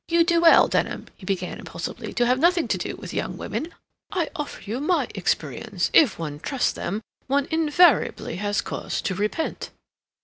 "You do well, Denham," he began impulsively, "to have nothing to do with young women. I offer you my experience—if one trusts them one invariably has cause to repent.